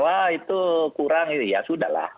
wah itu kurang itu ya sudah lah